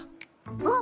あっ！